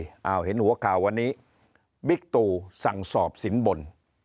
อ้าวเห็นหัวข่าววันนี้บิ๊กตูสั่งสอบสินบน